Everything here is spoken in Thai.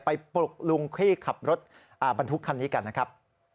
ปลุกลุงที่ขับรถบรรทุกคันนี้กันนะครับ